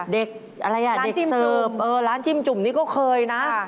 เด็กเสิร์ฟร้านจิ้มจุ่มนี่ก็เคยนะ